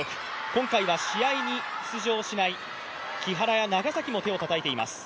今回は試合に出場しない木原や長崎も手をたたいています。